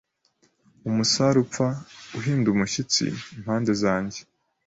umusare upfa, uhinda umushyitsi impande zanjye! ”